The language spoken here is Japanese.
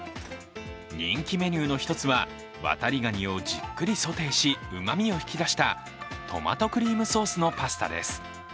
人気メニューの一つはわたりがにをじっくりソテーし、うまみを引き出したトマトクリームソースのパスタです。